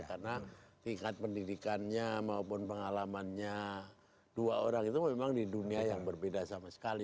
karena tingkat pendidikannya maupun pengalamannya dua orang itu memang di dunia yang berbeda sama sekali